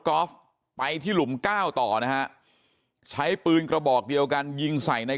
อล์ฟไปที่หลุม๙ต่อนะฮะใช้ปืนกระบอกเดียวกันยิงใส่ใน